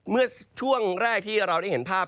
เมื่อช่วงแรกที่เราได้เห็นภาพ